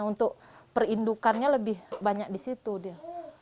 untuk perindukannya lebih banyak di situ dia